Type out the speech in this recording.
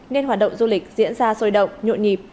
nên hoạt động du lịch diễn ra sôi động nhộn nhịp